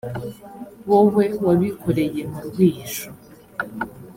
wowe wabikoreye mu rwihisho